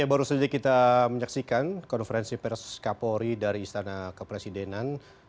ya baru saja kita menyaksikan konferensi pers kapolri dari istana kepresidenan